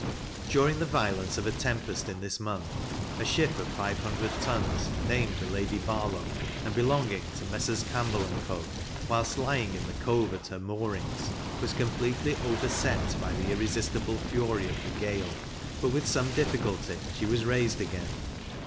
During the violence of a tempest in this month, a ship of five hundred tons, named the Lady Barlow, and belonging to Messrs. Campbell and Co. whilst lying in the Cove at her moorings, was completely overset by the irresistible fury of the gale; but, with some difficulty, she was raised again.